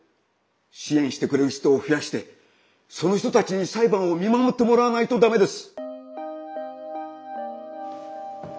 支援してくれる人を増やしてその人たちに裁判を見守ってもらわないとだめです。